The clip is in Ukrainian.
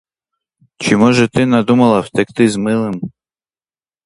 Чи може ти надумала втекти з милим?